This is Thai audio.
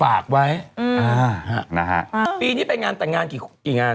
อ่านะฮะปีนี้เป็นงานต่างงานกี่กี่งาน